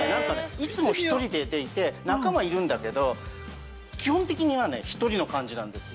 いつも１人でいて仲間いるんだけど基本的には１人の感じなんですよ。